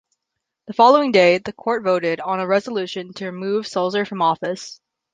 The following day, the court voted on a resolution to remove Sulzer from office.